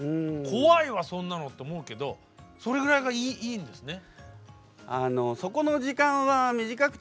怖いわそんなのと思うけどそれぐらいがいいんですね？